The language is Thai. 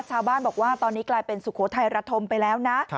ชาวบ้านบอกว่าตอนนี้กลายเป็นสุโขทัยระธมไปแล้วนะ